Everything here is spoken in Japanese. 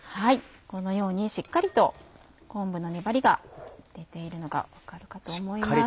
このようにしっかりと昆布の粘りが出ているのが分かるかと思います。